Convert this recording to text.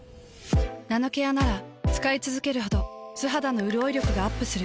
ナノケアなら使いつづけるほど素肌のうるおい力がアップする。